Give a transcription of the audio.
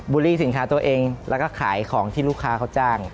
ูลลี่สินค้าตัวเองแล้วก็ขายของที่ลูกค้าเขาจ้าง